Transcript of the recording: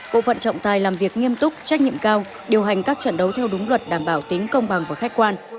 bộ phận trọng tài làm việc nghiêm túc trách nhiệm cao điều hành các trận đấu theo đúng luật đảm bảo tính công bằng và khách quan